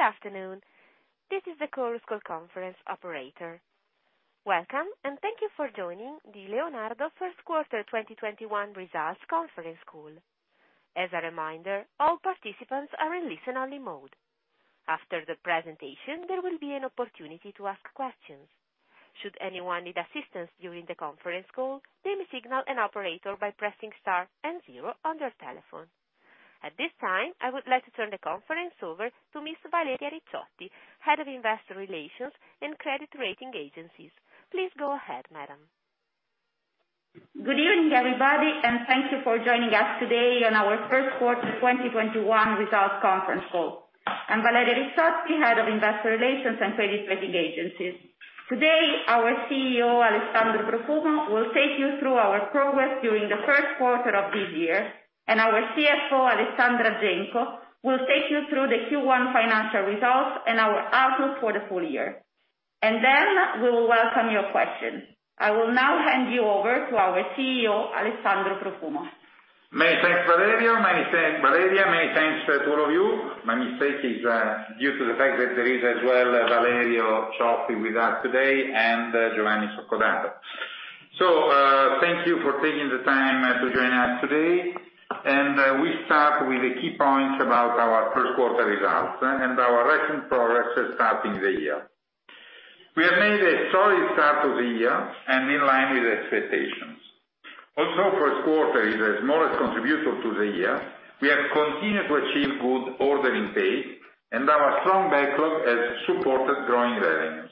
Good afternoon. This is the Chorus Call conference operator. Welcome, and thank you for joining the Leonardo first quarter 2021 results conference call. As a reminder, all participants are in listen-only mode. After the presentation, there will be an opportunity to ask questions. Should anyone need assistance during the conference call, please signal an operator by pressing star and zero on your telephone. At this time, I would like to turn the conference over to Miss Valeria Ricciotti, Head of Investor Relations and Credit Rating Agencies. Please go ahead, madam. Good evening, everybody. Thank you for joining us today on our first quarter 2021 results conference call. I'm Valeria Ricciotti, Head of Investor Relations and Credit Rating Agencies. Today, our CEO, Alessandro Profumo, will take you through our progress during the first quarter of this year, and our CFO, Alessandra Genco, will take you through the Q1 financial results and our outlook for the full year. Then we will welcome your questions. I will now hand you over to our CEO, Alessandro Profumo. Many thanks, Valeria. Many thanks to all of you. My mistake is due to the fact that there is as well, Valerio Cioffi with us today and Giovanni Soccodato. Thank you for taking the time to join us today, and we start with the key points about our first quarter results and our recent progress since starting the year. We have made a solid start to the year and in line with expectations. First quarter is the smallest contributor to the year. We have continued to achieve good ordering pace and our strong backlog has supported growing revenues.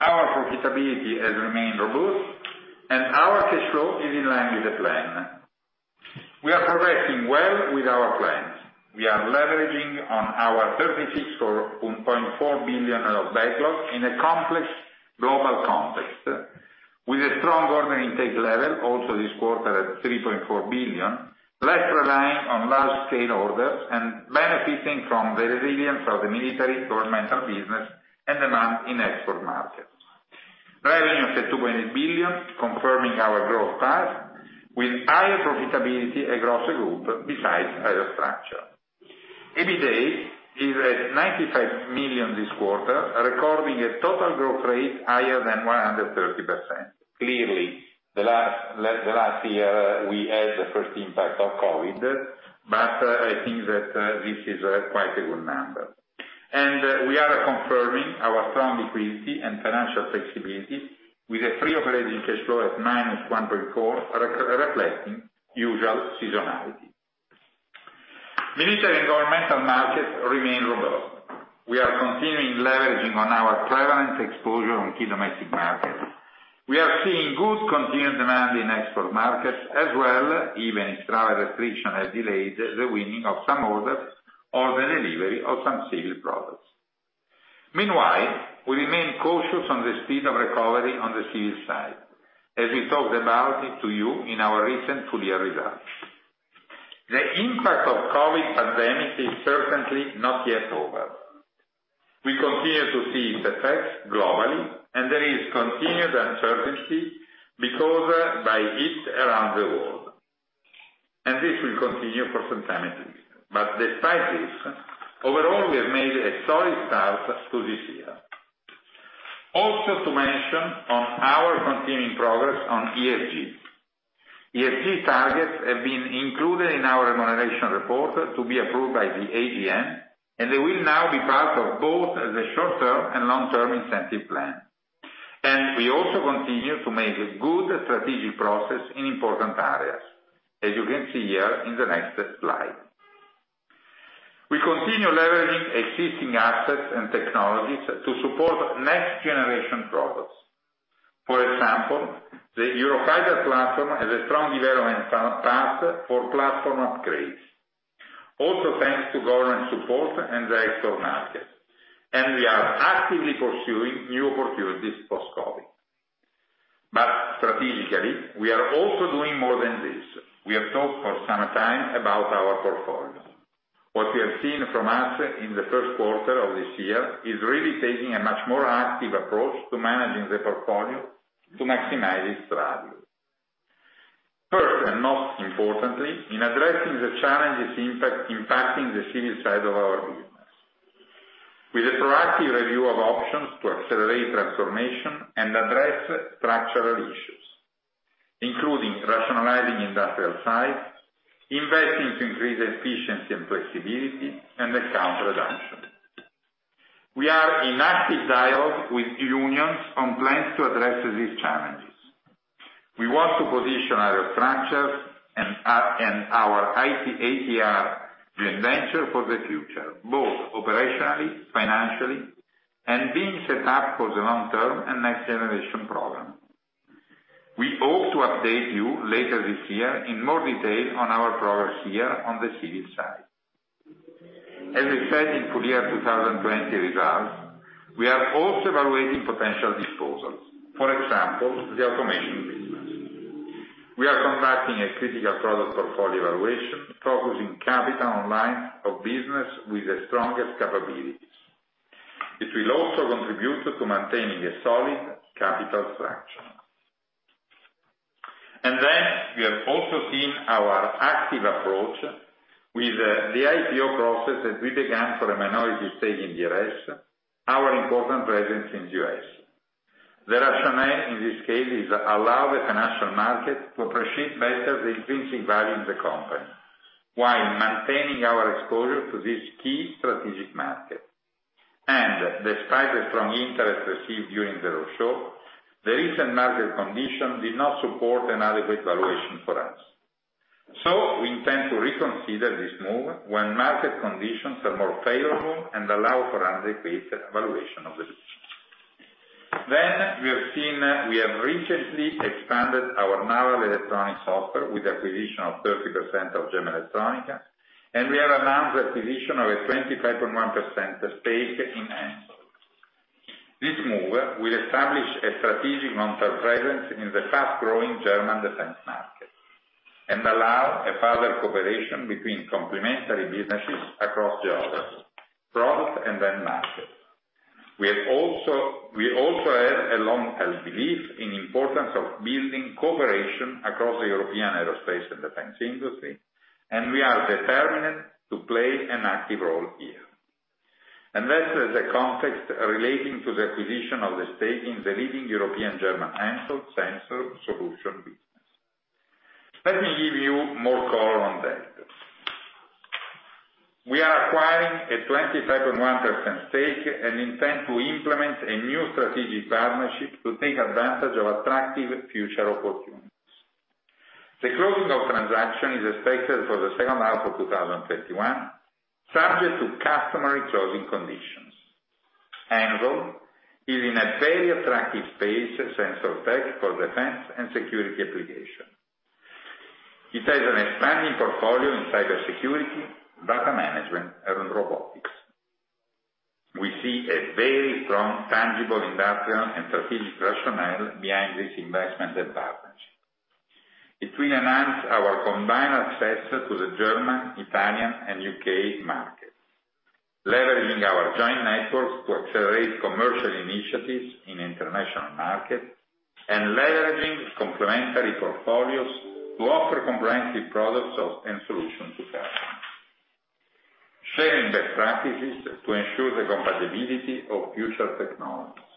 Our profitability has remained robust, and our cash flow is in line with the plan. We are progressing well with our plans. We are leveraging on our 36.4 billion euro of backlog in a complex global context. With a strong order intake level, also this quarter at 3.4 billion, less reliant on large-scale orders and benefiting from the resilience of the military governmental business and demand in export markets. Revenue is at 20 billion, confirming our growth path with higher profitability across the group besides Aerostructures. EBITA is at 95 million this quarter, recording a total growth rate higher than 130%. The last year, we had the first impact of COVID, but I think that this is quite a good number. We are confirming our strong liquidity and financial flexibility with a free operating cash flow of -1.4 billion, reflecting usual seasonality. Military governmental markets remain robust. We are continuing leveraging on our prevalent exposure on key domestic markets. We are seeing good continued demand in export markets as well, even if travel restriction has delayed the winning of some orders or the delivery of some civil products. Meanwhile, we remain cautious on the speed of recovery on the civil side, as we talked about it to you in our recent full year results. The impact of COVID pandemic is certainly not yet over. We continue to see its effects globally. There is continued uncertainty because of it around the world. This will continue for some time into the year. Despite this, overall, we have made a solid start to this year. Also to mention on our continuing progress on ESG. ESG targets have been included in our remuneration report to be approved by the AGM. They will now be part of both the short-term and long-term incentive plan. We also continue to make good strategic progress in important areas, as you can see here in the next slide. We continue leveraging existing assets and technologies to support next generation products. For example, the Eurofighter platform has a strong development path for platform upgrades. Also, thanks to government support and the external market. We are actively pursuing new opportunities post-COVID. Strategically, we are also doing more than this. We have talked for some time about our portfolios. What you have seen from us in the first quarter of this year is really taking a much more active approach to managing the portfolio to maximize its value. First, and most importantly, in addressing the challenges impacting the civil side of our business. With a proactive review of options to accelerate transformation and address structural issues, including rationalizing industrial sites, investing to increase efficiency and flexibility, and headcount reduction. We are in active dialogue with unions on plans to address these challenges. We want to position Aerostructures and our ATR joint venture for the future, both operationally, financially and being set up for the long-term and next-generation program. We hope to update you later this year in more detail on our progress here on the civil side. As we said in full year 2020 results, we are also evaluating potential disposals. For example, the automation business. We are conducting a critical product portfolio evaluation, focusing capital on lines of business with the strongest capabilities. It will also contribute to maintaining a solid capital structure. We have also seen our active approach with the IPO process that we began for a minority stake in DRS, our important presence in the U.S. The rationale in this case is allow the financial market to appreciate better the intrinsic value in the company, while maintaining our exposure to this key strategic market. Despite the strong interest received during the roadshow, the recent market condition did not support an adequate valuation for us. We intend to reconsider this move when market conditions are more favorable and allow for an adequate valuation of the business. We have seen we have recently expanded our naval electronics portfolio with acquisition of 30% of GEM Elettronica, and we have announced the acquisition of a 25.1% stake in HENSOLDT. This move will establish a strategic on-site presence in the fast growing German defense market and allow a further cooperation between complementary businesses across the others, product and then market. We also have a long-held belief in importance of building cooperation across the European aerospace and defense industry. We are determined to play an active role here. That is the context relating to the acquisition of the stake in the leading European German HENSOLDT sensor solution business. Let me give you more color on that. We are acquiring a 25.1% stake. We intend to implement a new strategic partnership to take advantage of attractive future opportunities. The closing of transaction is expected for the second half of 2021, subject to customary closing conditions. ANVIL is in a very attractive space, sensor tech for defense and security application. It has an expanding portfolio in cybersecurity, data management and robotics. We see a very strong tangible, industrial and strategic rationale behind this investment and partnership. It will enhance our combined access to the German, Italian, and U.K. market, leveraging our joint networks to accelerate commercial initiatives in international markets and leveraging complementary portfolios to offer comprehensive products and solutions to customers. Sharing best practices to ensure the compatibility of future technologies.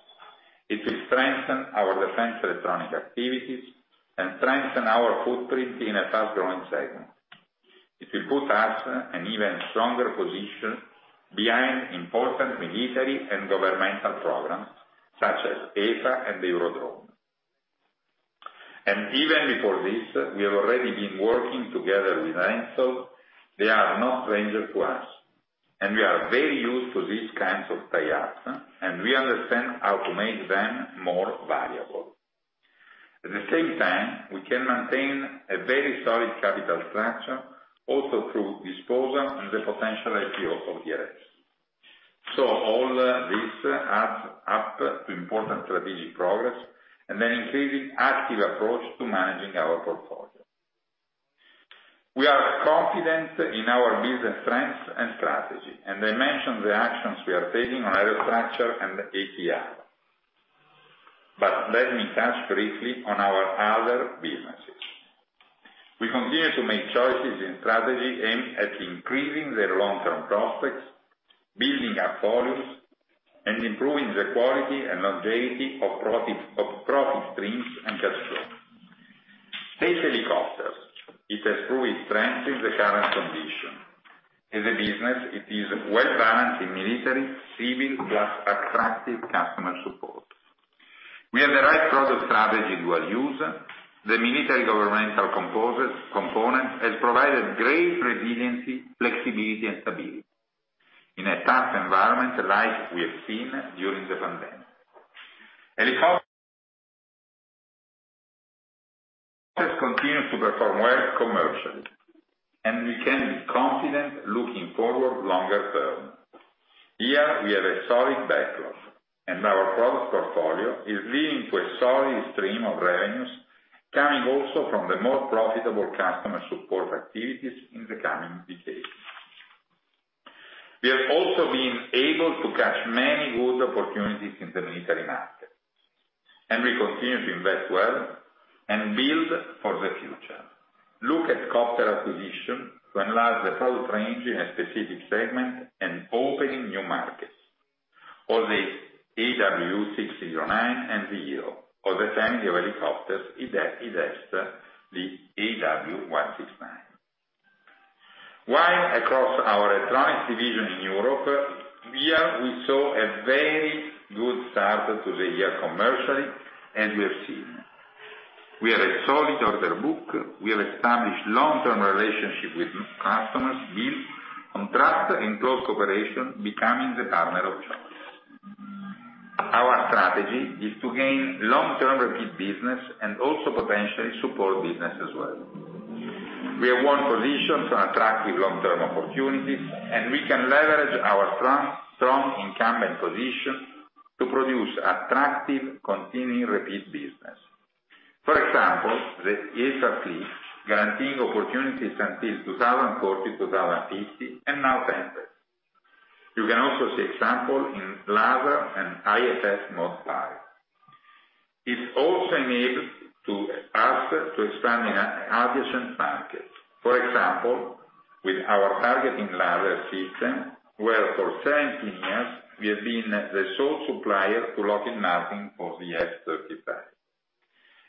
It will strengthen our Defense Electronics activities and strengthen our footprint in a fast growing segment. It will put us an even stronger position behind important military and governmental programs such as FCAS and Eurodrone. Even before this, we have already been working together with HENSOLDT, they are no stranger to us, and we are very used to these kinds of tie-ups and we understand how to make them more valuable. At the same time, we can maintain a very solid capital structure also through disposal and the potential IPO of DRS. All this adds up to important strategic progress and an increasing active approach to managing our portfolio. We are confident in our business strengths and strategy. I mentioned the actions we are taking on Aerostructures and ATR. Let me touch briefly on our other businesses. We continue to make choices in strategy aimed at increasing their long-term prospects, building our volumes, and improving the quality and longevity of profit streams and cash flow. State helicopters. It has proved its strength in the current condition. In the business, it is well balanced in military, civil, plus attractive customer support. We have the right product strategy, dual use. The military governmental component has provided great resiliency, flexibility, and stability in a tough environment like we have seen during the pandemic. We can be confident looking forward longer-term. Our product portfolio is leading to a solid stream of revenues coming also from the most profitable customer support activities in the coming decades. We continue to invest well and build for the future. Look at Kopter acquisition to enlarge the product range in a specific segment and opening new markets, or the AW609 and the AWHERO. Other family of helicopters is extra, the AW169. Across our Electronics Division in Europe, here we saw a very good start to the year commercially, and we have seen. We have a solid order book. We have established long-term relationship with customers built on trust and close cooperation, becoming the partner of choice. Our strategy is to gain long-term repeat business and also potentially support business as well. We have won positions on attractive long-term opportunities, and we can leverage our strong incumbent position to produce attractive continuing repeat business. For example, the EFA fleets guaranteeing opportunities until 2040, 2050. Now, you can also see example in laser and IFF Mode 5. It also enabled us to expand in aviation market. For example, with our targeting laser system, where for 17 years we have been the sole supplier to Lockheed Martin for the F-35,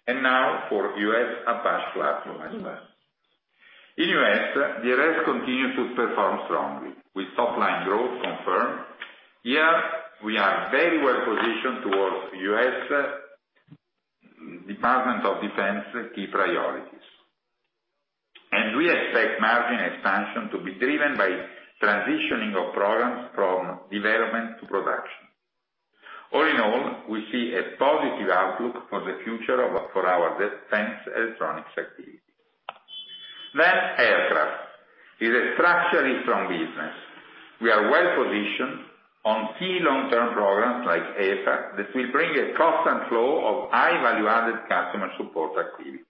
and now for U.S. Apache platform as well. In U.S., DRS continues to perform strongly, with top line growth confirmed. Here, we are very well-positioned towards U.S. Department of Defense key priorities. We expect margin expansion to be driven by transitioning of programs from development to production. All in all, we see a positive outlook for the future of our Defense Electronics activity. Next, Aircraft is a structurally strong business. We are well-positioned on key long-term programs like EFA, that will bring a constant flow of high value-added customer support activities.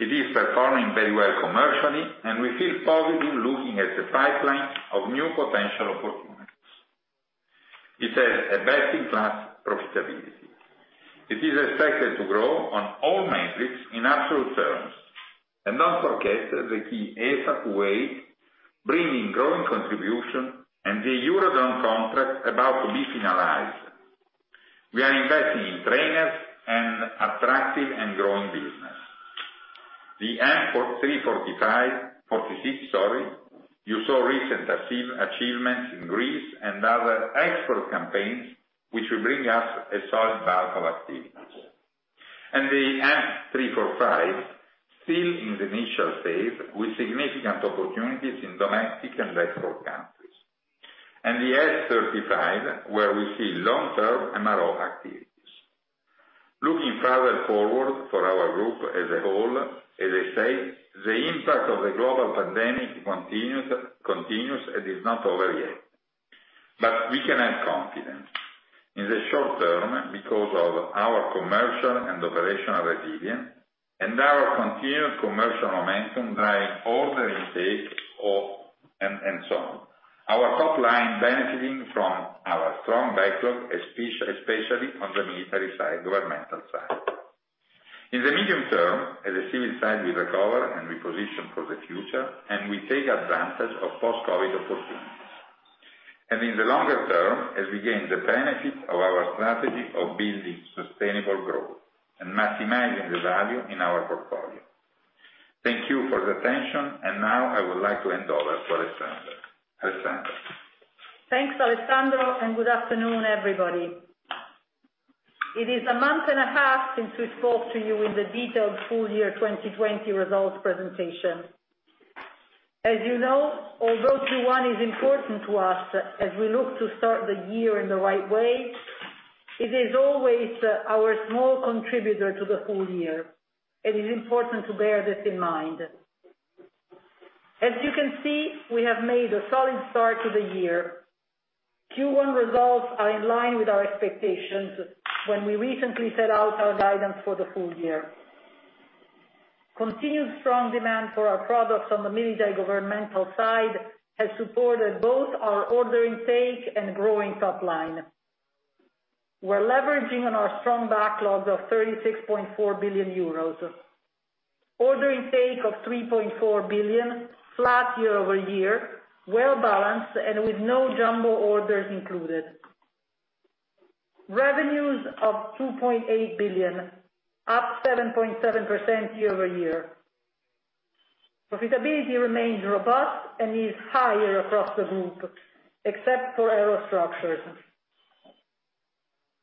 It is performing very well commercially. We feel positive looking at the pipeline of new potential opportunities. It has a best-in-class profitability. It is expected to grow on all metrics in absolute terms. Not forget the key EFA wave, bringing growing contribution and the Eurodrone contract about to be finalized. We are investing in trainers and attractive and growing business. The M-346, you saw recent achievements in Greece and other export campaigns, which will bring us a solid bulk of activity. The M-345, still in the initial phase, with significant opportunities in domestic and export countries. The F-35, where we see long-term MRO activities. Looking further forward for our group as a whole, as I said, the impact of the global pandemic continues and is not over yet. We can have confidence in the short-term because of our commercial and operational resilience and our continued commercial momentum, driving order intake and so on. Our top line benefiting from our strong backlog, especially on the military side, governmental side. In the medium-term, as the civil side will recover and reposition for the future, and we take advantage of post-COVID opportunities. In the longer-term, as we gain the benefit of our strategy of building sustainable growth and maximizing the value in our portfolio. Thank you for the attention. Now I would like to hand over to Alessandra. Alessandra? Thanks, Alessandro, good afternoon, everybody. It is a month and a half since we spoke to you in the detailed full year 2020 results presentation. As you know, although Q1 is important to us as we look to start the year in the right way, it is always our small contributor to the full year. It is important to bear this in mind. As you can see, we have made a solid start to the year. Q1 results are in line with our expectations when we recently set out our guidance for the full year. Continued strong demand for our products on the military governmental side has supported both our order intake and growing top line. We're leveraging on our strong backlogs of 36.4 billion euros. Order intake of 3.4 billion, flat year-over-year, well-balanced, and with no jumbo orders included. Revenues of 2.8 billion, up 7.7% year-over-year. Profitability remains robust and is higher across the group, except for Aerostructures.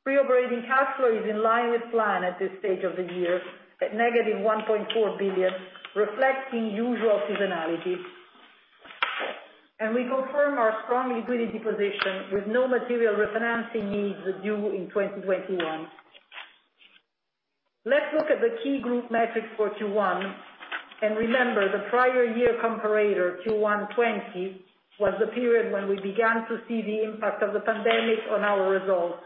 Free operating cash flow is in line with plan at this stage of the year, at -1.4 billion, reflecting usual seasonality. We confirm our strong liquidity position with no material refinancing needs due in 2021. Let's look at the key group metrics for Q1, and remember, the prior year comparator, Q1 2020, was the period when we began to see the impact of the pandemic on our results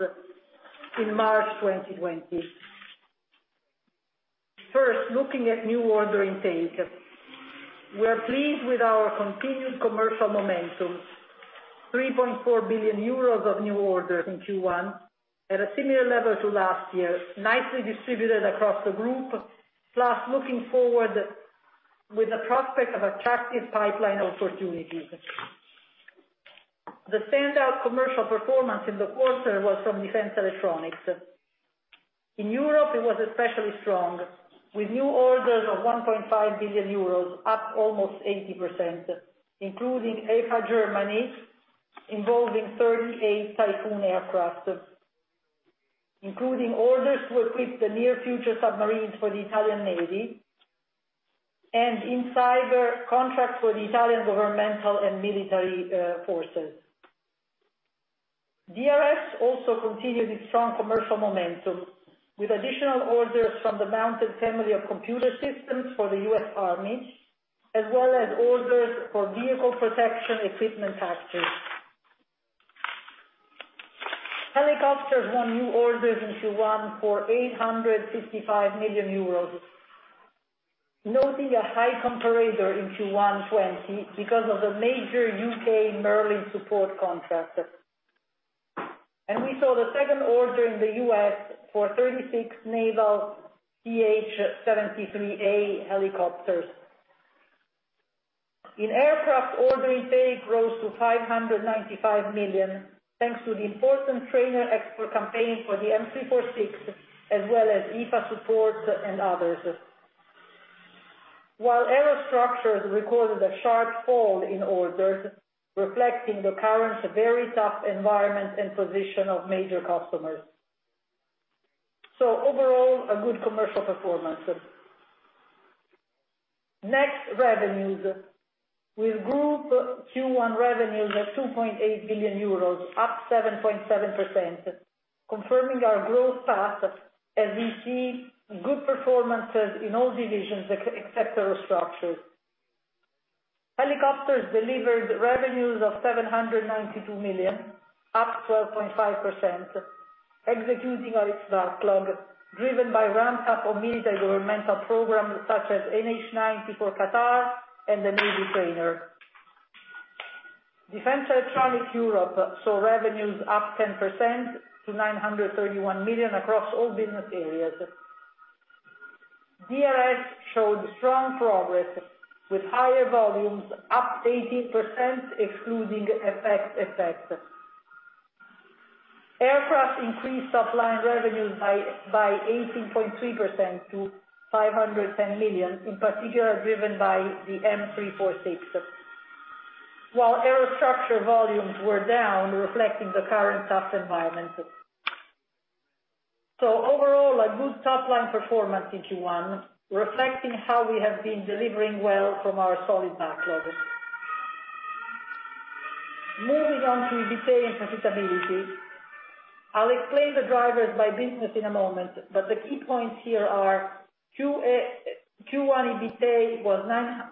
in March 2020. First, looking at new order intake. We're pleased with our continued commercial momentum, 3.4 billion euros of new orders in Q1 at a similar level to last year, nicely distributed across the group, plus looking forward with the prospect of attractive pipeline opportunities. The standout commercial performance in the quarter was from Defense Electronics. In Europe, it was especially strong, with new orders of 1.5 billion euros, up almost 80%, including EFA Germany, involving 38 Typhoon aircraft, including orders to equip the near future submarines for the Italian Navy, and in cyber contracts for the Italian governmental and military forces. DRS also continued its strong commercial momentum with additional orders from the Mounted Family of Computer Systems for the U.S. Army, as well as orders for vehicle protection equipment packages. Helicopters won new orders in Q1 for 855 million euros. Noting a high comparator in Q1 2020 because of the major U.K. Merlin support contract. We saw the second order in the U.S. for 36 Naval TH-73A helicopters. In Aircraft, order intake rose to 595 million, thanks to the important trainer export campaign for the M-346, as well as IPA support and others. While Aerostructures recorded a sharp fall in orders, reflecting the current very tough environment and position of major customers. Overall, a good commercial performance. Next, revenues. With group Q1 revenues at 2.8 billion euros, up 7.7%, confirming our growth path as we see good performances in all divisions except Aerostructures. Helicopters delivered revenues of 792 million, up 12.5%, executing on its backlog, driven by ramp-up of military governmental programs such as NH90 for Qatar and the Navy trainer. Defense Electronics Europe saw revenues up 10% to 931 million across all business areas. DRS showed strong progress, with higher volumes up 18%, excluding FX effects. Aircraft increased top-line revenues by 18.3% to 510 million, in particular driven by the M-346. While Aerostructures volumes were down, reflecting the current tough environment. Overall, a good top-line performance in Q1, reflecting how we have been delivering well from our solid backlog. Moving on to EBITA and profitability. I'll explain the drivers by business in a moment, the key points here are Q1 EBITA was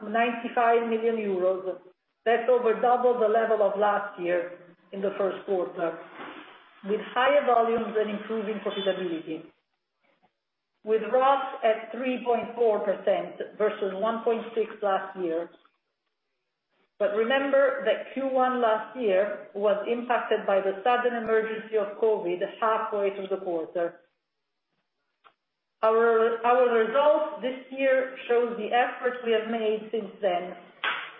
95 million euros. That's over double the level of last year in the first quarter, with higher volumes and improving profitability, with ROS at 3.4% versus 1.6% last year. Remember that Q1 last year was impacted by the sudden emergency of COVID halfway through the quarter. Our results this year shows the efforts we have made since then,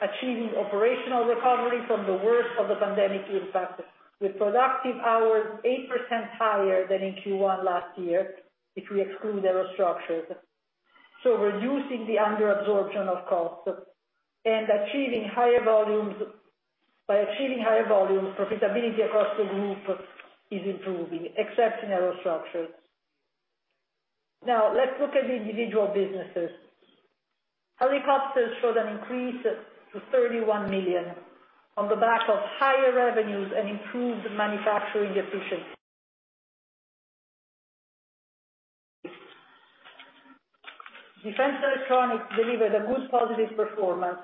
achieving operational recovery from the worst of the pandemic impact, with productive hours 8% higher than in Q1 last year if we exclude Aerostructures. Reducing the under absorption of costs and by achieving higher volumes, profitability across the group is improving, except in Aerostructures. Let's look at the individual businesses. Helicopters show an increase to 31 million on the back of higher revenues and improved manufacturing efficiency. Defense Electronics delivered a good positive performance.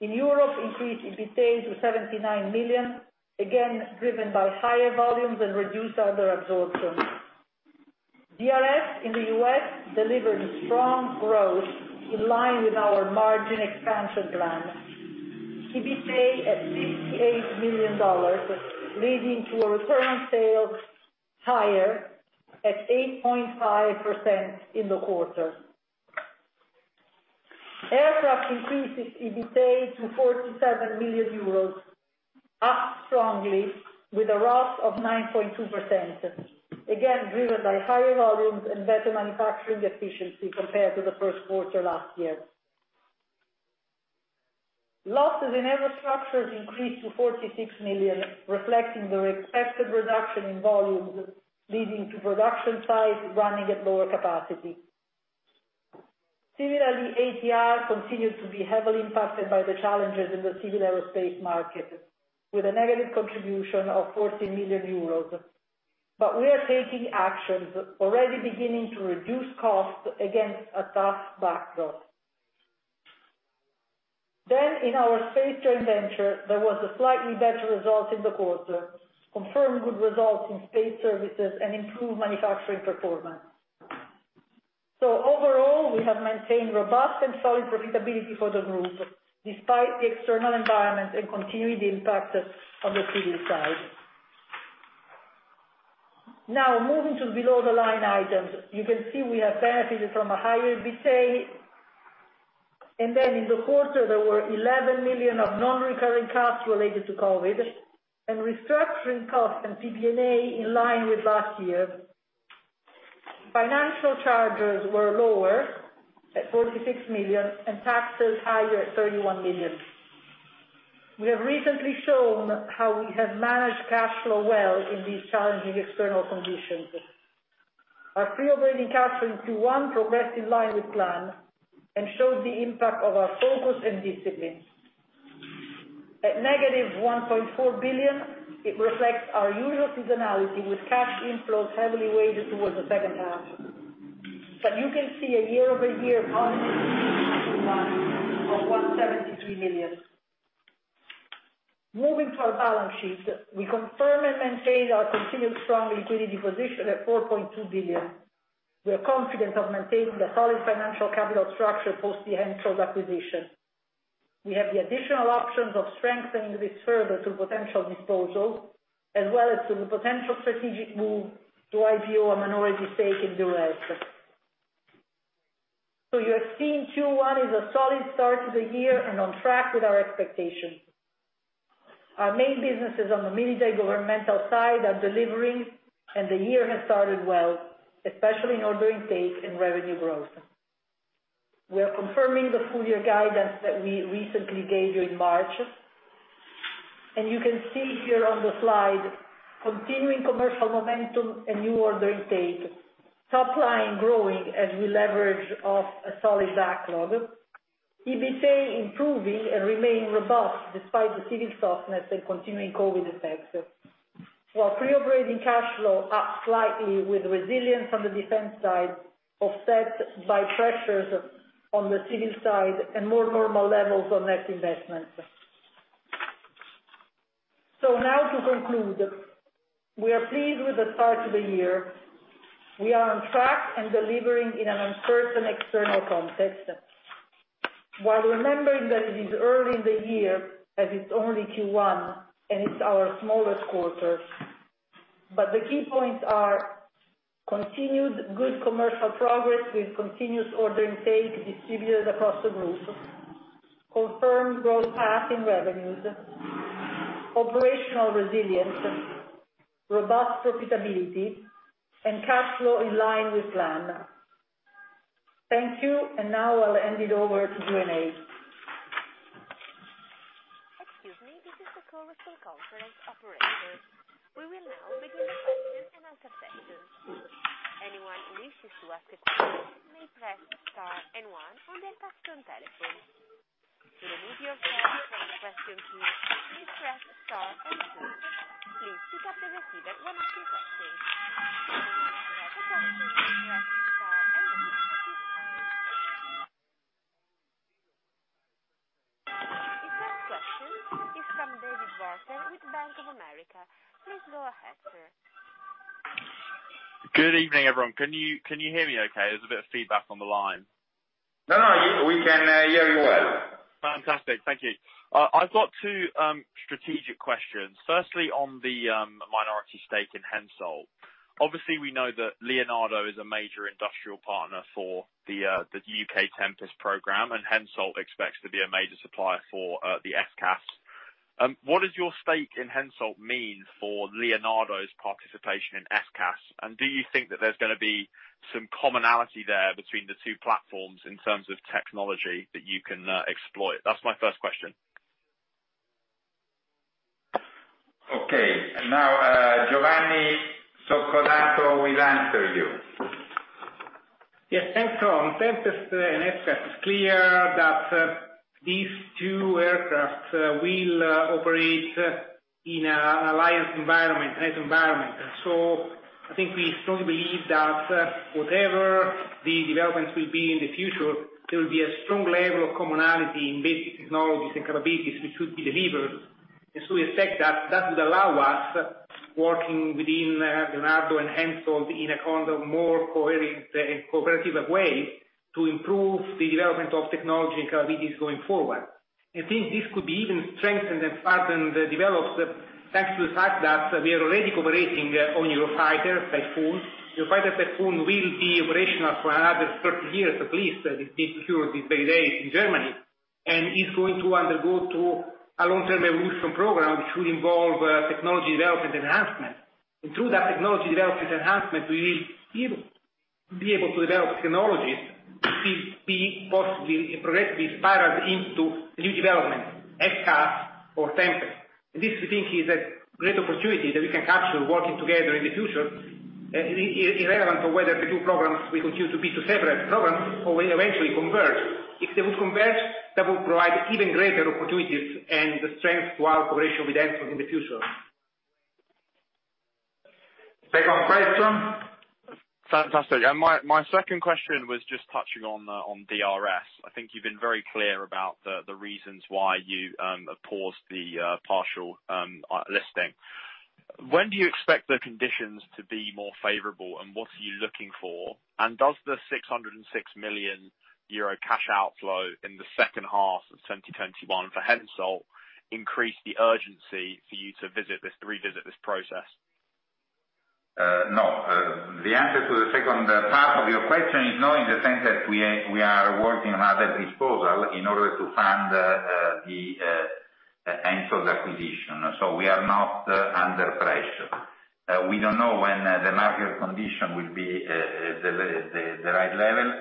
In Europe, increase EBITA to 79 million, again driven by higher volumes and reduced under absorption. DRS in the U.S. delivered strong growth in line with our margin expansion plan. EBITA at $58 million, leading to a return on sales higher at 8.5% in the quarter. Aircraft increases EBITA to 47 million euros, up strongly with a ROS of 9.2%, again, driven by higher volumes and better manufacturing efficiency compared to the first quarter last year. Losses in Aerostructures increased to 46 million, reflecting the expected reduction in volumes, leading to production size running at lower capacity. Similarly, ATR continues to be heavily impacted by the challenges in the civil aerospace market, with a negative contribution of 14 million euros. We are taking actions, already beginning to reduce costs against a tough backdrop. In our space joint venture, there was a slightly better result in the quarter, confirmed good results in space services and improved manufacturing performance. Overall, we have maintained robust and solid profitability for the group, despite the external environment and continued impact on the civil side. Moving to below the line items. You can see we have benefited from a higher EBITA, and in the quarter, there were 11 million of non-recurring costs related to COVID, and restructuring costs and PB&A in line with last year. Financial charges were lower at 46 million, and taxes higher at 31 million. We have recently shown how we have managed cash flow well in these challenging external conditions. Our free operating cash flow in Q1 progressed in line with plan and showed the impact of our focus and discipline. At -1.4 billion, it reflects our usual seasonality with cash inflows heavily weighted towards the second half. You can see a year-over-year of 173 million. Moving to our balance sheet, we confirm and maintain our continued strong liquidity position at 4.2 billion. We are confident of maintaining the solid financial capital structure post the Hensoldt acquisition. We have the additional options of strengthening this further through potential disposals, as well as through the potential strategic move to IPO a minority stake in DRS. You have seen Q1 is a solid start to the year and on track with our expectations. Our main businesses on the military governmental side are delivering, and the year has started well, especially in ordering pace and revenue growth. We are confirming the full year guidance that we recently gave you in March. You can see here on the slide, continuing commercial momentum and new order intake, top line growing as we leverage off a solid backlog, EBITDA improving and remain robust despite the civil softness and continuing COVID effects. While free operating cash flow up slightly with resilience on the defense side, offset by pressures on the civil side and more normal levels on net investments. Now to conclude, we are pleased with the start to the year. We are on track and delivering in an uncertain external context. While remembering that it is early in the year, as it's only Q1 and it's our smallest quarter. The key points are continued good commercial progress with continuous order intake distributed across the group, confirmed growth path in revenues, operational resilience, robust profitability and cash flow in line with plan. Thank you, and now I'll hand it over to Q&A. Excuse me, this is the call with the conference operator. We will now begin the question and answer session. Anyone who wishes to ask a question may press star and one on their touch-tone telephone. To remove yourself from the question queue, please press star and two. Please pick up the receiver when asking questions. If you want to ask a question, press star. The first question is from David Barker with Bank of America. Please go ahead, sir. Good evening, everyone. Can you hear me okay? There is a bit of feedback on the line. No, we can hear you well. Fantastic. Thank you. I've got two strategic questions. Firstly, on the minority stake in Hensoldt. Obviously, we know that Leonardo is a major industrial partner for the U.K. Tempest program. Hensoldt expects to be a major supplier for the FCAS. What does your stake in Hensoldt mean for Leonardo's participation in FCAS? Do you think that there's going to be some commonality there between the two platforms in terms of technology that you can exploit? That's my first question. Okay. Now, Giovanni Soccodato will answer you. Yes. Thanks. On Tempest and FCAS, it's clear that these two aircraft will operate in an alliance environment, net environment. I think we strongly believe that whatever the developments will be in the future, there will be a strong level of commonality in basic technologies and capabilities which should be delivered. We expect that would allow us working within Leonardo and Hensoldt in a kind of more coherent and cooperative way to improve the development of technology and capabilities going forward. I think this could be even strengthened and further developed, thanks to the fact that we are already cooperating on Eurofighter Typhoon. Eurofighter Typhoon will be operational for another 30 years at least, it being secured these days in Germany, and is going to undergo to a long-term evolution program, which will involve technology development enhancement. Through that technology development enhancement, we will be able to develop technologies, be possibly and progressively spiraled into new development, FCAS or Tempest. This we think is a great opportunity that we can capture working together in the future, irrelevant of whether the two programs will continue to be two separate programs or will eventually converge. If they would converge, that would provide even greater opportunities and strength to our cooperation with Hensoldt in the future. Second question. Fantastic. My second question was just touching on DRS. I think you've been very clear about the reasons why you paused the partial listing. When do you expect the conditions to be more favorable, and what are you looking for? Does the 606 million euro cash outflow in the second half of 2021 for Hensoldt increase the urgency for you to revisit this process? No. The answer to the second part of your question is no, in the sense that we are working on other disposal in order to fund the HENSOLDT acquisition. We are not under pressure. We don't know when the market condition will be the right level.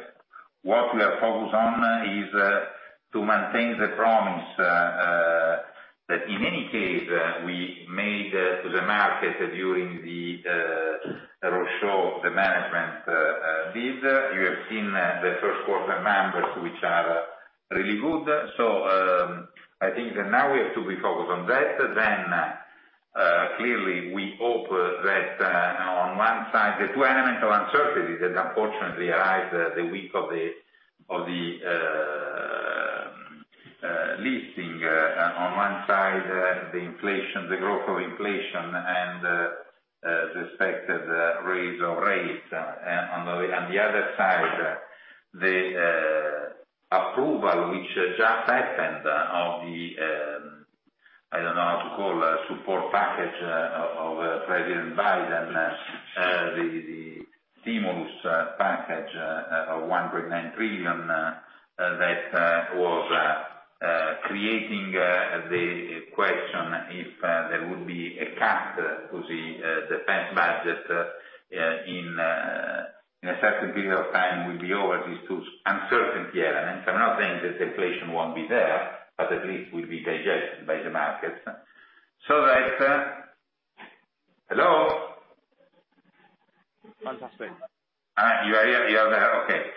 What we are focused on is to maintain the promise, that in any case, we made to the market during the roadshow, the management. This, you have seen the first quarter numbers, which are really good. I think that now we have to be focused on that. Clearly, we hope that on one side, the two elemental uncertainties that unfortunately arrived the week of the listing. On one side, the growth of inflation and the expected raise of rates. On the other side, the approval, which just happened, of the, I don't know how to call, support package of President Biden, the stimulus package of $1.9 trillion, that was creating the question if there would be a cap to the defense budget in a certain period of time, will be over, these two uncertainty elements. I'm not saying that inflation won't be there, but at least will be digested by the markets. Hello? Fantastic. You are here, you are there. Okay.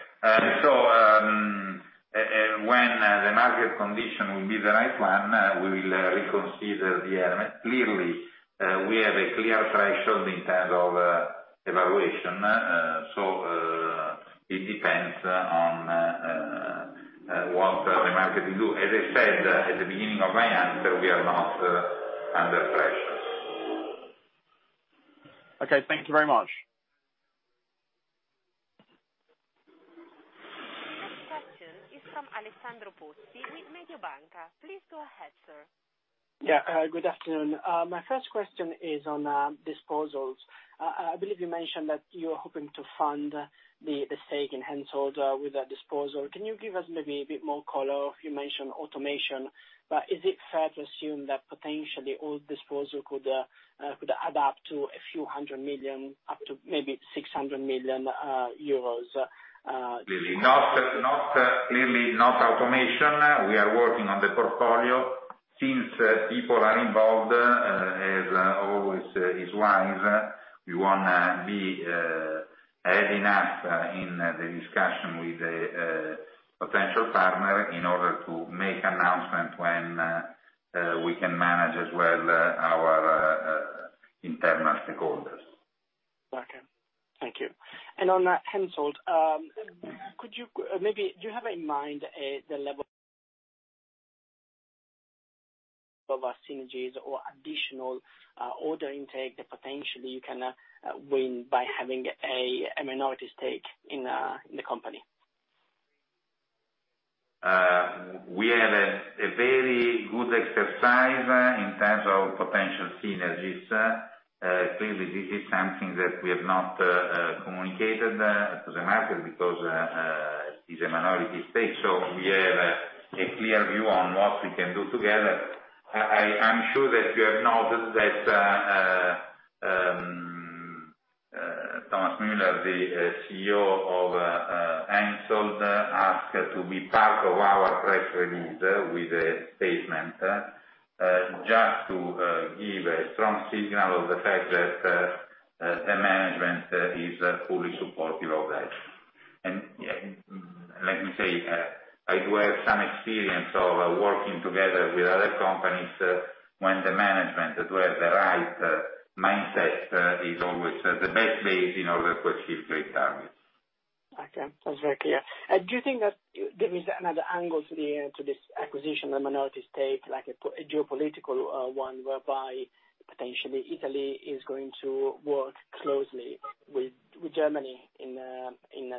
When the market condition will be the right one, we will reconsider the element. Clearly, we have a clear threshold in terms of evaluation, so it depends on what the market will do. As I said at the beginning of my answer, we are not under pressure. Okay. Thank you very much. The next question is from Alessandro Pozzi with Mediobanca. Please go ahead, sir. Yeah, good afternoon. My first question is on disposals. I believe you mentioned that you're hoping to fund the stake in HENSOLDT with a disposal. Can you give us maybe a bit more color? You mentioned automation, is it fair to assume that potentially all disposal could add up to a few hundred million, up to maybe 600 million euros? Clearly, not automation. We are working on the portfolio. Since people are involved, as always, is wise, we want to be ahead enough in the discussion with a potential partner in order to make announcement when we can manage as well our internal stakeholders. Okay. Thank you. On HENSOLDT, do you have in mind the level of synergies or additional order intake that potentially you can win by having a minority stake in the company? We had a very good exercise in terms of potential synergies. Clearly, this is something that we have not communicated to the market because it is a minority stake. We have a clear view on what we can do together. I'm sure that you have noted that Thomas Müller, the CEO of HENSOLDT, asked to be part of our press release with a statement, just to give a strong signal of the fact that the management is fully supportive of that. Let me say, I do have some experience of working together with other companies, when the management who has the right mindset is always the best base in order to achieve great targets. Okay. That's very clear. Do you think that there is another angle to this acquisition, a minority stake, like a geopolitical one, whereby potentially Italy is going to work closely with Germany in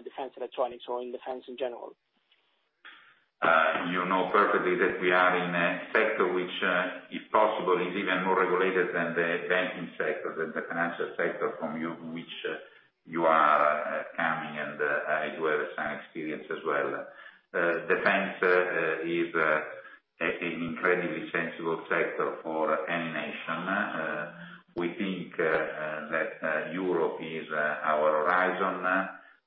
defense electronics or in defense in general? You know perfectly that we are in a sector which, if possible, is even more regulated than the banking sector, than the financial sector from which you are coming, and I do have some experience as well. Defense is an incredibly sensitive sector for any nation. We think that Europe is our horizon,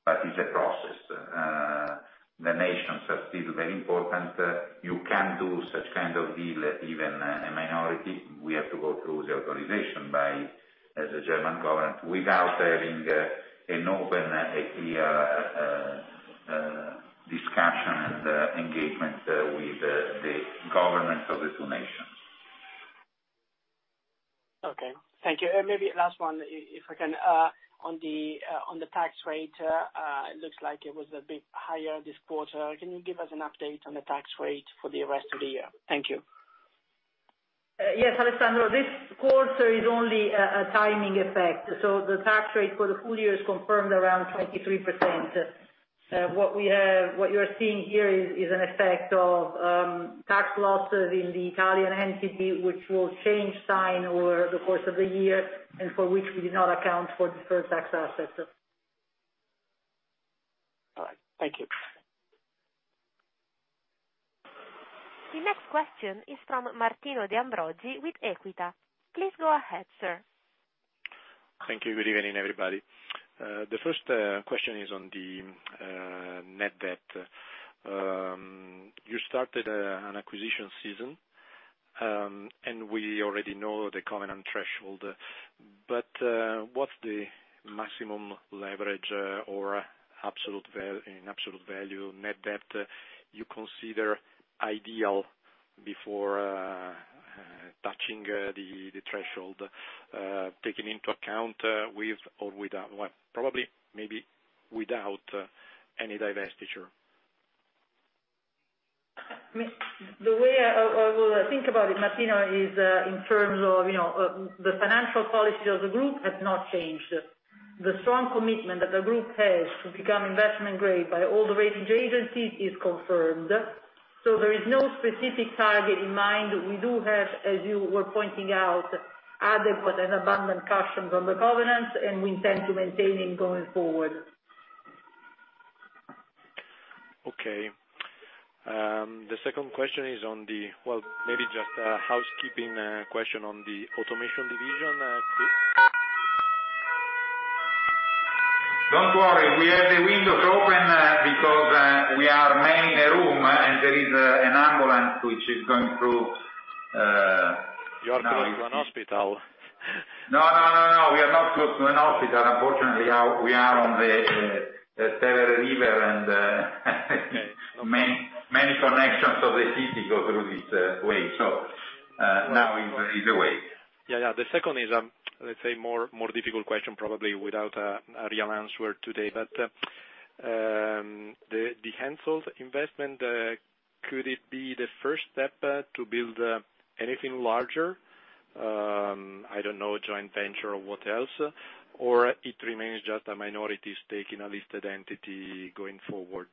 but it's a process. The nations are still very important. You can't do such kind of deal, even a minority, we have to go through the authorization by the German government without having an open, a clear discussion and engagement with the governments of the two nations. Okay. Thank you. Maybe last one, if I can. On the tax rate, it looks like it was a bit higher this quarter. Can you give us an update on the tax rate for the rest of the year? Thank you. Yes, Alessandro. This quarter is only a timing effect, so the tax rate for the full year is confirmed around 23%. What you are seeing here is an effect of tax losses in the Italian entity, which will change sign over the course of the year, and for which we did not account for deferred tax assets. All right. Thank you. The next question is from Martino De Ambroggi with Equita. Please go ahead, sir. Thank you. Good evening, everybody. The first question is on the net debt. You started an acquisition season, and we already know the covenant threshold. What's the maximum leverage or in absolute value, net debt you consider ideal before touching the threshold, taking into account with or without, probably, maybe without any divestiture? The way I will think about it, Martino, is in terms of the financial policy of the group has not changed. The strong commitment that the group has to become investment grade by all the rating agencies is confirmed. There is no specific target in mind. We do have, as you were pointing out, adequate and abundant cautions on the governance, and we intend to maintain in going forward. Okay. The second question is, well, maybe just a housekeeping question on the Aerostructures division. Don't worry, we have the windows open because we are mainly in a room and there is an ambulance which is going through. You are close to an hospital. No, we are not close to an hospital. Unfortunately, we are on the [Sere river] and many connections of the city go through this way. Now it is away. Yeah. The second is, let's say, more difficult question probably without a real answer today. The HENSOLDT investment, could it be the first step to build anything larger, I don't know, a joint venture or what else, or it remains just a minority stake in a listed entity going forward?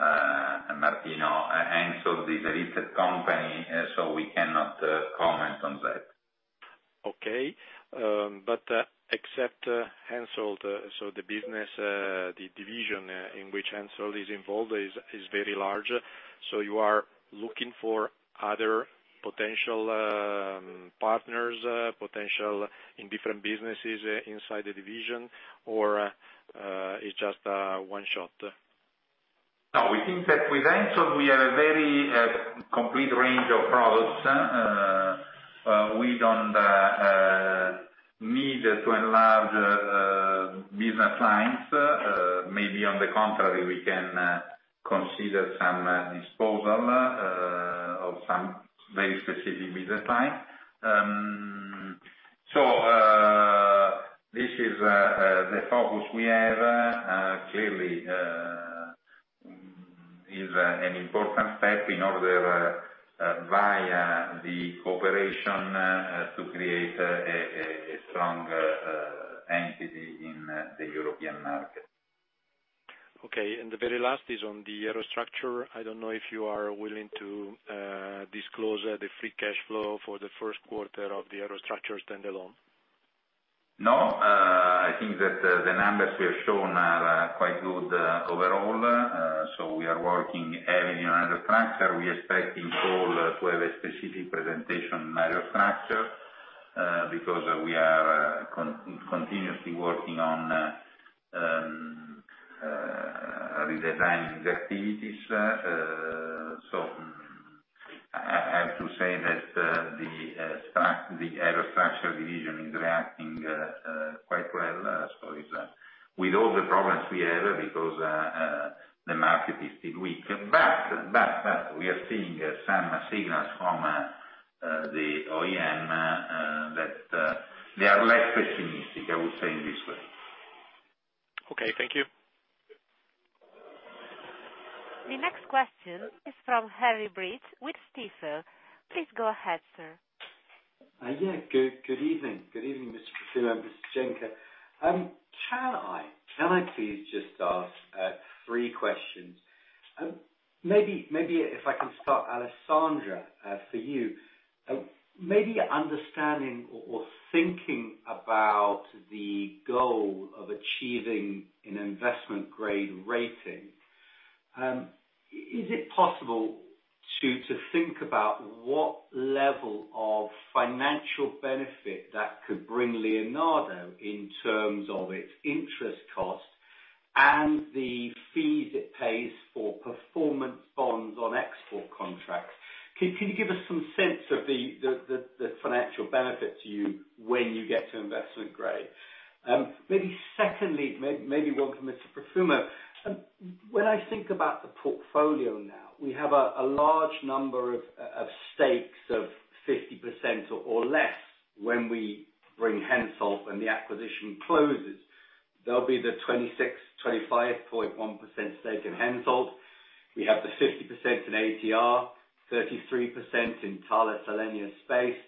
Martino, HENSOLDT is a listed company, so we cannot comment on that. Okay. Except HENSOLDT, the business, the division in which HENSOLDT is involved is very large, you are looking for other potential partners, potential in different businesses inside the division, or it's just a one-shot? No, we think that with HENSOLDT, we have a very complete range of products. We don't need to enlarge business lines. Maybe on the contrary, we can consider some disposal of some very specific business line. This is the focus we have, clearly, is an important step in order via the cooperation, to create a strong entity in the European market. Okay, the very last is on the Aerostructures. I don't know if you are willing to disclose the free cash flow for the first quarter of the Aerostructures stand alone. No, I think that the numbers we have shown are quite good overall. We are working heavily on Aerostructures. We expect in call to have a specific presentation on Aerostructures, because we are continuously working on redesigning the activities. I have to say that the Aerostructures division is reacting quite well. It's with all the problems we have because the market is still weak. We are seeing some signals from the OEM, that they are less pessimistic, I would say, in this way. Okay. Thank you. The next question is from Harry Breach with Stifel. Please go ahead, sir. Good evening, Mr. Profumo, Ms. Genco. Can I please just ask three questions? Maybe if I can start, Alessandra, for you. Maybe understanding or thinking about the goal of achieving an investment grade rating, is it possible to think about what level of financial benefit that could bring Leonardo in terms of its interest cost and the fees it pays for performance bonds on export contracts? Can you give us some sense of the financial benefit to you when you get to investment grade? Maybe secondly, maybe one for Mr. Profumo. When I think about the portfolio now, we have a large number of stakes of 50% or less when we bring HENSOLDT and the acquisition closes. There'll be the 25.1% stake in HENSOLDT. We have the 50% in ATR, 33% in Thales Alenia Space,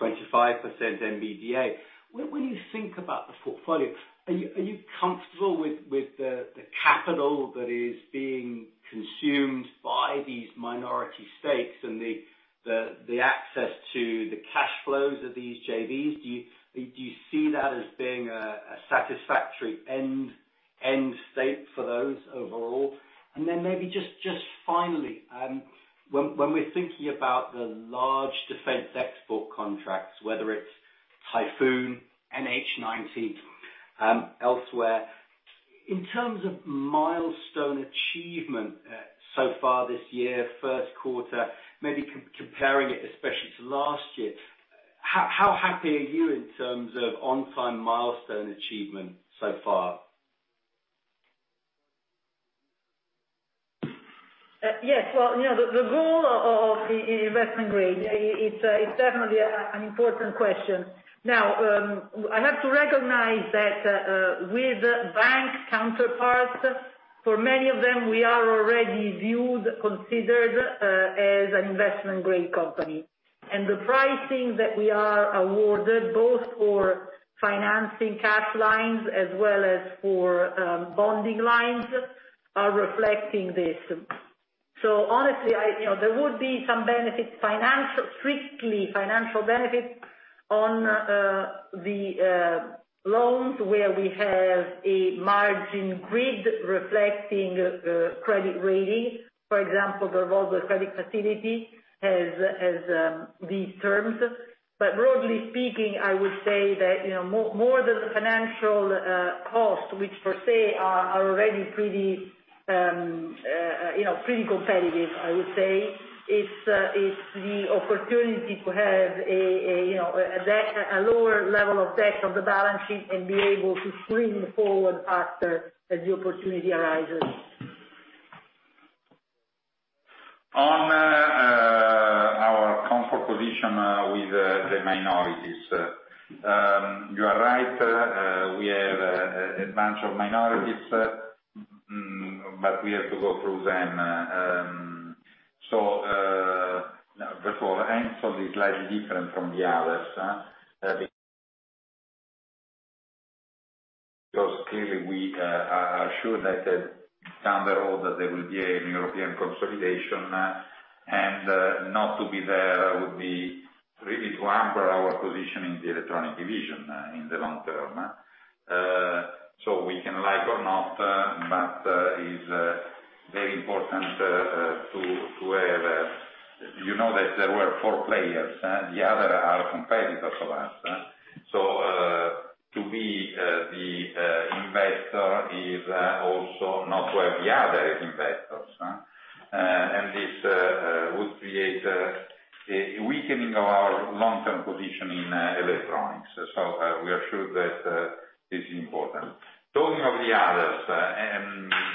25% MBDA. When you think about the portfolio, are you comfortable with the capital that is being consumed by these minority stakes and the access to the cash flows of these JVs? Do you see that as being a satisfactory end state for those overall? Maybe just finally, when we are thinking about the large defense export contracts, whether it is Typhoon, NH90, elsewhere, in terms of milestone achievement so far this year, first quarter, maybe comparing it especially to last year, how happy are you in terms of on-time milestone achievement so far? Yes. Well, the goal of investment grade, it's definitely an important question. I have to recognize that with bank counterparts, for many of them, we are already viewed, considered as an investment grade company. The pricing that we are awarded, both for financing cash lines as well as for bonding lines, are reflecting this. Honestly, there would be some benefits, strictly financial benefits, on the loans where we have a margin grid reflecting credit rating. For example, the revolving credit facility has these terms. Broadly speaking, I would say that more than the financial cost, which per se are already pretty competitive, I would say, is the opportunity to have a lower-level of debt on the balance sheet and be able to swing forward faster as the opportunity arises. On our comfort position with the minorities. You are right, we have a bunch of minorities, but we have to go through them. HENSOLDT is slightly different from the others. Clearly we are sure that down the road that there will be a European consolidation, and not to be there would be really to hamper our position in the electronic division in the long-term. We can like or not, but it's very important to have You know that there were four players, the other are competitors of us. To be the investor is also not where the other investors are. This would create a weakening of our long-term position in electronics. We are sure that this is important. Talking of the others,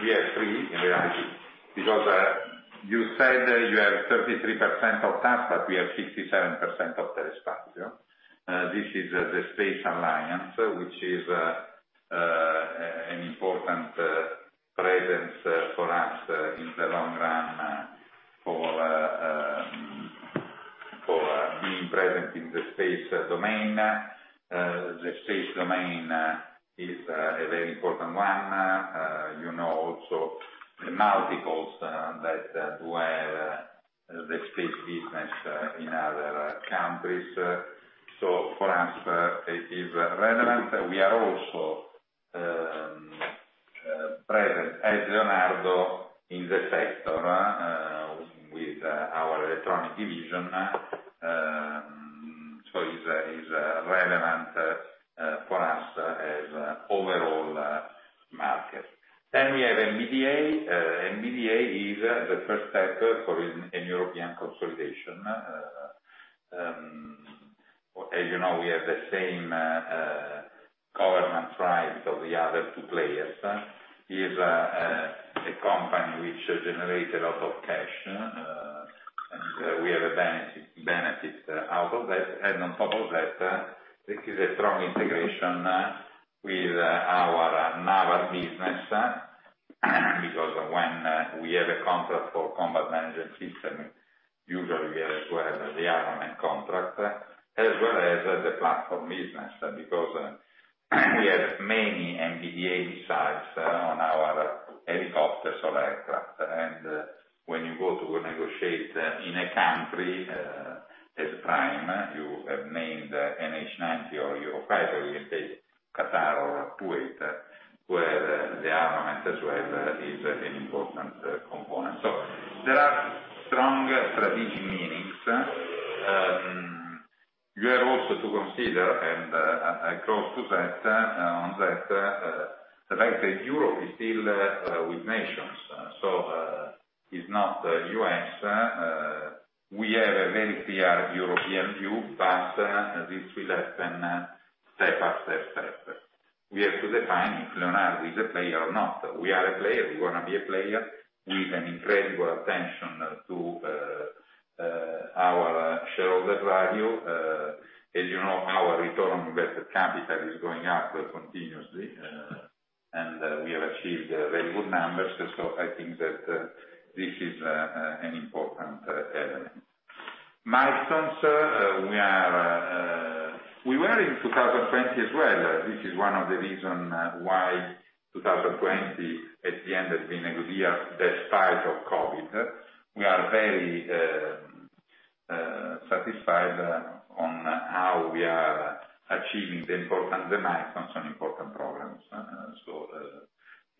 we are free in reality, because you said you have 33% of that, but we have 67% of Thales Alenia. This is the Space Alliance, which is an important presence for us in the long run for being present in the space domain. The space domain is a very important one. You know also the multiples that do have the space business in other countries. For us, it is relevant. We are also present as Leonardo in the sector, with our electronic division. It's relevant for us as an overall market. We have MBDA. MBDA is the first step for a European consolidation. As you know, we have the same government rival as the other two players. It's a company which generated a lot of cash, and we have benefits out of that. On top of that, this is a strong integration with our naval business, because when we have a contract for combat management system, usually we are as well as the armament contract, as well as the platform business. We have many MBDA sites on our helicopters or aircraft. When you go to negotiate in a country, as prime, you have named NH90 or Eurofighter, you take Qatar or Kuwait, where the armament as well is an important component. There are strong strategic meanings. You have also to consider, and I close to that on that, like I said, Europe is still with nations. It's not the U.S. We have a very clear European view, but this will happen step by step. We have to define if Leonardo is a player or not. We are a player. We want to be a player with an incredible attention to our shareholder value. As you know, our return on invested capital is going up continuously, and we have achieved very good numbers. I think that this is an important element. Milestones, we were in 2020 as well. This is one of the reason why 2020 at the end has been a good year despite of COVID. We are very satisfied on how we are achieving the milestones on important programs.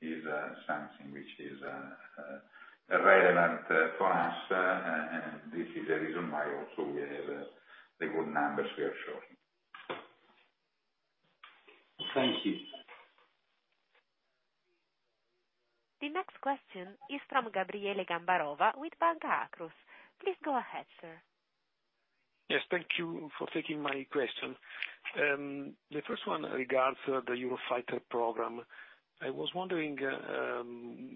This is something which is relevant for us, and this is the reason why also we have the good numbers we are showing. Thank you. The next question is from Gabriele Gambarova with Banca Akros. Please go ahead, sir. Yes, thank you for taking my question. The first one regards the Eurofighter program. I was wondering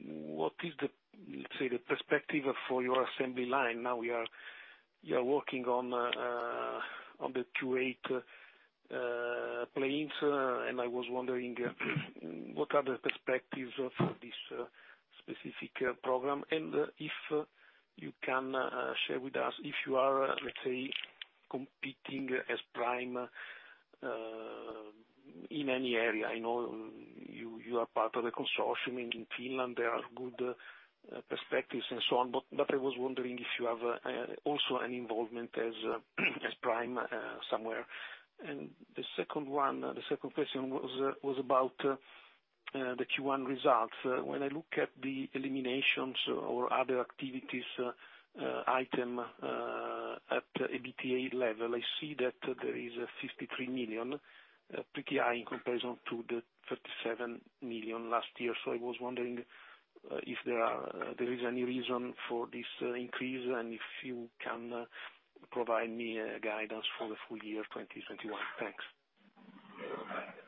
what is the perspective for your assembly line. Now you are working on the Kuwait planes, and I was wondering what are the perspectives of this specific program, and if you can share with us if you are, let's say, competing as prime in any area. I know you are part of the consortium, and in Finland there are good perspectives, and so on. I was wondering if you have also an involvement as prime somewhere. The second question was about the Q1 results. When I look at the eliminations or other activities item at EBITA level, I see that there is 53 million, pretty high in comparison to the 37 million last year. I was wondering if there is any reason for this increase, and if you can provide me a guidance for the full year 2021? Thanks.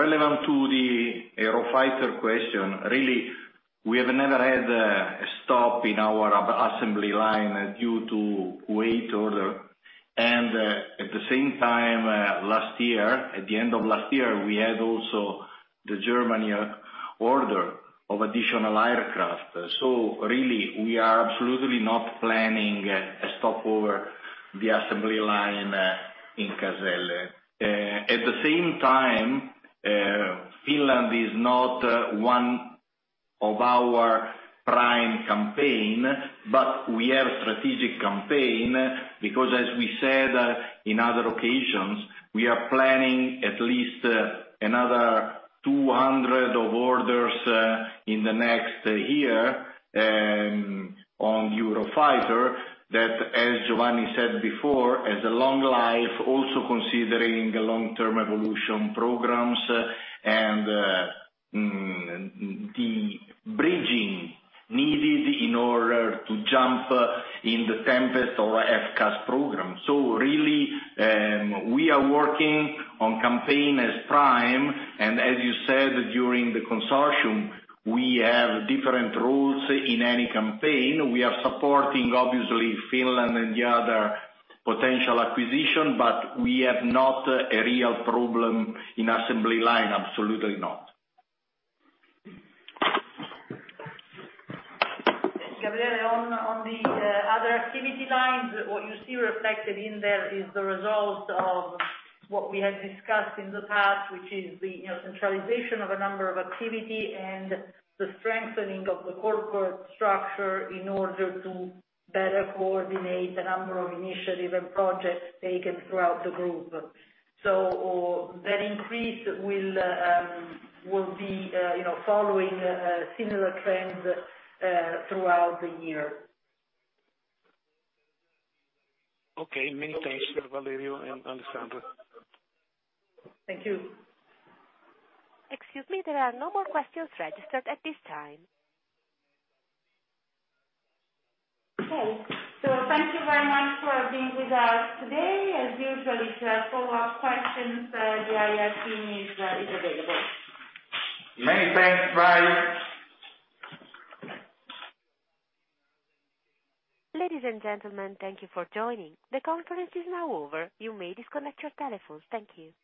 Relevant to the Eurofighter question, really, we have never had a stop in our assembly line due to wait order. At the same time, at the end of last year, we had also the Germany order of additional aircraft. Really, we are absolutely not planning a stop over the assembly line in Caselle. At the same time, Finland is not one of our prime campaign, but we have strategic campaign, because as we said in other occasions, we are planning at least another 200 orders in the next year on Eurofighter, that, as Giovanni said before, has a long life, also considering the long-term evolution programs and the bridging needed in order to jump in the Tempest or FCAS program. Really, we are working on campaign as prime, and as you said, during the consortium, we have different roles in any campaign. We are supporting, obviously, Finland and the other potential acquisition, but we have not a real problem in assembly line, absolutely not. Gabriele, on the other activity lines, what you see reflected in there is the result of what we had discussed in the past, which is the centralization of a number of activity and the strengthening of the corporate structure in order to better coordinate a number of initiatives and projects taken throughout the group. That increase will be following similar trends throughout the year. Okay. Many thanks, Valerio and Alessandra. Thank you. Excuse me. There are no more questions registered at this time. Okay. Thank you very much for being with us today. As usual, if you have follow-up questions, the IR team is available. Many thanks. Bye. Ladies and gentlemen, thank you for joining. The conference is now over. You may disconnect your telephones. Thank you.